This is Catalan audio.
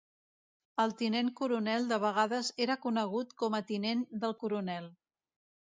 El tinent coronel de vegades era conegut com a tinent del coronel.